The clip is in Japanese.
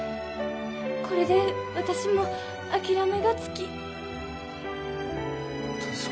これで私も諦めがつき俊子